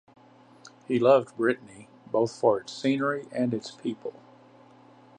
He loved Brittany, both for its scenery and its people.